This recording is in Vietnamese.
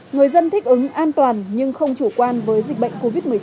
người dân thích ứng an toàn nhưng không chủ quan với dịch bệnh covid một mươi chín